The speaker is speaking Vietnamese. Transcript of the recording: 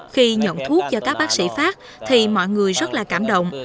khi nhận thuốc cho các bác sĩ phát thì mọi người rất là cảm động